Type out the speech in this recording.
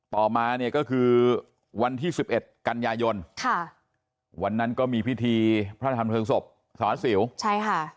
ต่อมาเนี่ยก็คือวันที่๑๑กันยายนค่ะวันนั้นก็มีพิธีพระราชธรรมเผืองศพสหรัฐศิลป์ใช่ค่ะ